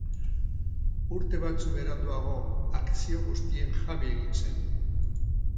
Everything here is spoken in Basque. Urte batzuk beranduago akzio guztien jabe egin zen.